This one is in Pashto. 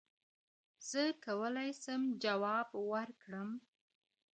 زه کولای سم جواب ورکړم؟!